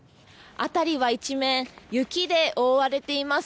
辺りは一面、雪で覆われています。